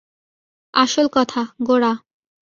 আসল কথা– গোরা।